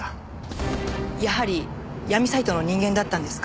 やはり闇サイトの人間だったんですか？